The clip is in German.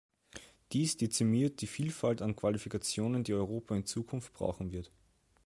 Dies dezimiert die Vielfalt an Qualifikationen, die Europa in Zukunft brauchen wird.